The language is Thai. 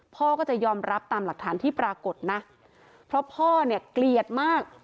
พ่อก็จะยอมรับตามหลักฐานที่ปรากฏนะเพราะพ่อเนี่ยเกลียดมาก